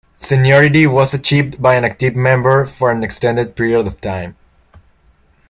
Seniority was achieved by being an active member for an extended period of time.